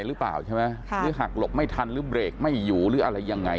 หรือเปล่าใช่ไหมหรือหักหลบไม่ทันหรือเบรกไม่อยู่หรืออะไรยังไง